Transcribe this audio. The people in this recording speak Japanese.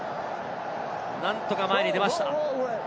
何とか前に出ました。